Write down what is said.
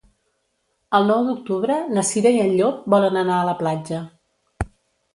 El nou d'octubre na Cira i en Llop volen anar a la platja.